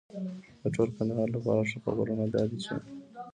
د ټول کندهار لپاره ښه خبرونه دا دي چې